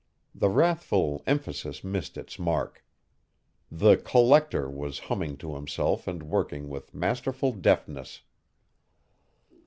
The wrathful emphasis missed its mark. The "collector" was humming to himself and working with masterful deftness.